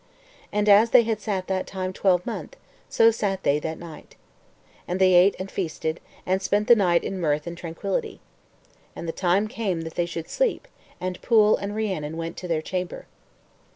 And as they had sat that time twelvemonth, so sat they that night. And they ate and feasted, and spent the night in mirth and tranquility. And the time came that they should sleep, and Pwyll and Rhiannon went to their chamber.